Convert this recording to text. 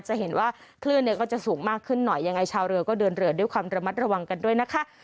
จะเห็นว่าคลื่นเนี่ยก็จะสูงมากขึ้นหน่อยยังไงชาวเรือก็เดินเรือด้วยความระมัดระวังกันด้วยนะคะ